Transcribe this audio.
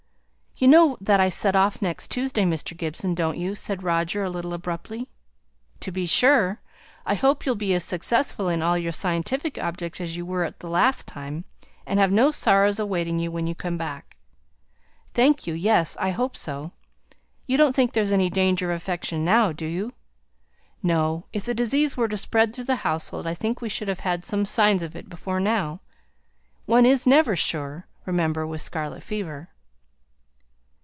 "You know that I set off next Tuesday, Mr. Gibson, don't you?" said Roger, a little abruptly. "To be sure. I hope you'll be as successful in all your scientific objects as you were the last time, and have no sorrows awaiting you when you come back." "Thank you. Yes. I hope so. You don't think there's any danger of infection now, do you?" "No! If the disease were to spread through the household, I think we should have had some signs of it before now. One is never sure, remember, with scarlet fever."